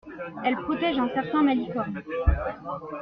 Elle protège un certain Malicorne.